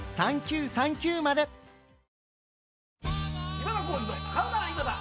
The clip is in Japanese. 『今田耕司の買うならイマダ』。